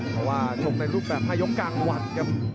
เพราะว่าชกในรูปแบบ๕ยกกลางวันครับ